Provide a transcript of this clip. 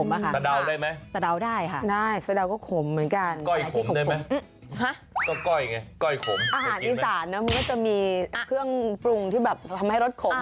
อาหารอีสานนะมันก็จะมีเครื่องปรุงที่แบบทำให้รสขม